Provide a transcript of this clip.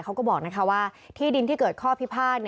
เขาก็บอกว่าที่ดินที่เกิดข้อพิพาท